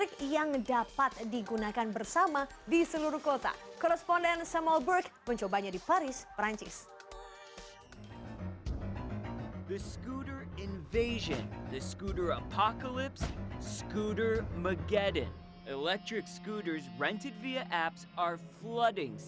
dan aplikasi ini memungkinkan anda untuk menghapuskan skuter di mana mana saja